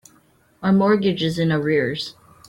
Our mortgage is in arrears.